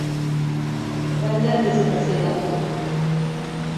Benden de sana selam olsun…